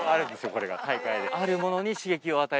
これが大会で。